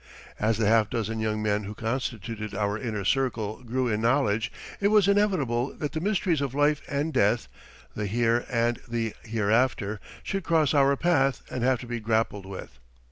As the half dozen young men who constituted our inner circle grew in knowledge, it was inevitable that the mysteries of life and death, the here and the hereafter, should cross our path and have to be grappled with.